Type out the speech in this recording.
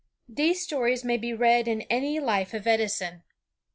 These stories may be read in any life of Edison.